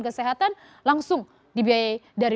kesehatan langsung dari